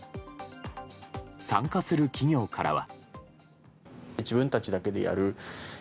参加する企業からは。